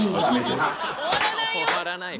終わらないよ。